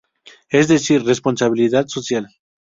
Es decir responsabilidad Social.